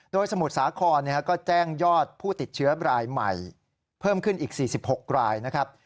โดยสมุทรสาครก็แจ้งยอดผู้ติดเชื้อรายใหม่เพิ่มขึ้นอีก๔๖รายนะครับ